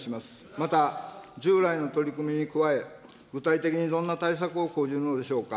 また、従来の取り組みに加え、具体的にどんな対策を講じるのでしょうか。